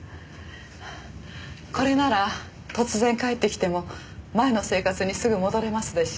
これなら突然帰ってきても前の生活にすぐ戻れますでしょ？